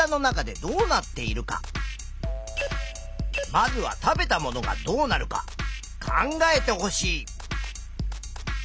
まずは食べたものがどうなるか考えてほしい。